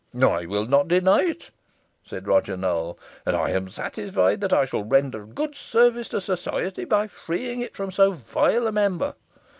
"I will not deny it," said Roger Newell, "and I am satisfied that I shall render good service to society by freeing it from so vile a member.